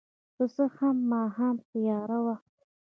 که څه هم ماښام تیاره وه.